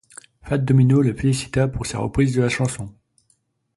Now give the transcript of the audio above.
Fats Domino le félicita pour sa reprise de la chanson.